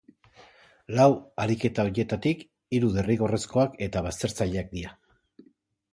Lau ariketa horietatik hiru derrigorrezkoak eta baztertzaileak dira.